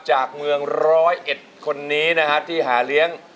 จากเมืองร้อยเอ็ดคนนี้นะฮะที่หาเลี้ยง